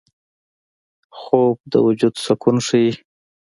خوب د وجود سکون ښيي